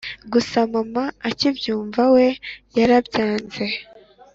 gusa mama akibyumva we yarabyanze